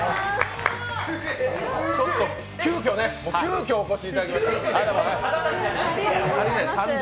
急きょね、急きょお越しいただきました。